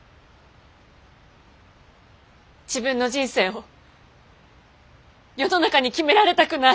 自分の人生を世の中に決められたくない。